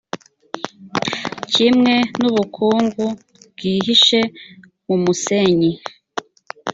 kimwe n’ubukungu bwihishe mu musenyi.»